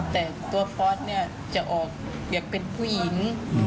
แต่ตัวฟอสเนี่ยจะออกอยากเป็นผู้หญิง